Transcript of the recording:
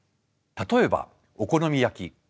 例えばお好み焼き。